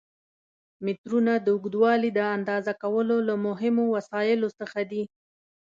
مترونه د اوږدوالي د اندازه کولو له مهمو وسایلو څخه دي.